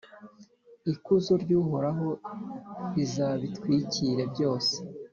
Ikuzo ry’Uhoraho rizabitwikire byose,